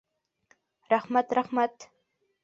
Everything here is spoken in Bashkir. — Рәхмәт, рәхмәт.